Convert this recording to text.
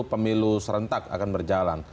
pemilu serentak akan berjalan